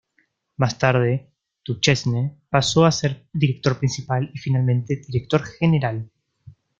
Más tarde Duchesne pasó a ser Director Principal y finalmente Director General.